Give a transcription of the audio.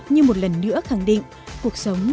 nhưng trẻ con